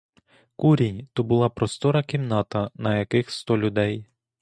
Курінь — то була простора кімната, на яких сто людей.